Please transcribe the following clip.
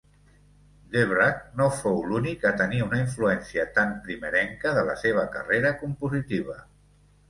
Dvořák no fou l'únic a tenir una influència tan primerenca de la seva carrera compositiva.